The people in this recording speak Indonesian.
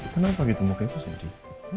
kenapa begitu muka itu sedih